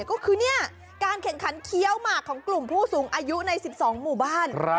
ก็คือการแข่งขันเคี้ยวหมากของกลุ่มผู้สูงอายุใน๑๒หมู่บ้าน